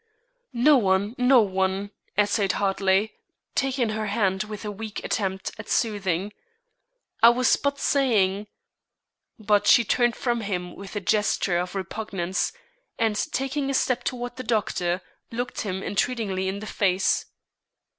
"No one! no one!" essayed Hartley, taking her hand with a weak attempt at soothing. "I was but saying " But she turned from him with a gesture of repugnance, and taking a step toward the doctor, looked him entreatingly in the face.